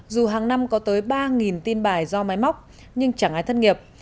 dù hàng năm có tới ba tin bài do máy móc nhưng chẳng ai thất nghiệp